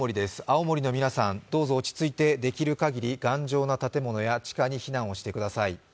青森の皆さん、どうぞ落ち着いて、できるかぎり頑丈な建物や地下に避難をしてください。